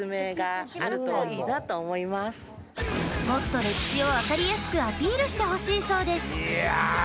もっと歴史を分かりやすくアピールしてほしいそうです